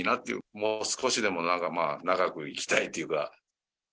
もう少しでも長く生きたいというか。